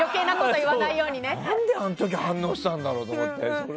何であの時反応したんだろうって。